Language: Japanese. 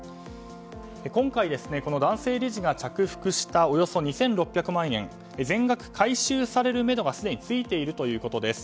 今回、この男性理事が着服したおよそ２６００万円全額回収されるめどがすでについているということです。